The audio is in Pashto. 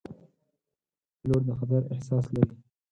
پیلوټ د خطر احساس لري.